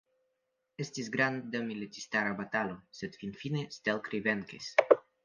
Estis granda militistara batalo, sed finfine Stelkri venkis.